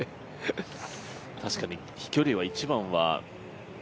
確かに飛距離は１番は。